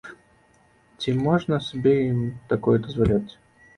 Ці можна сабе і ім такое дазваляць?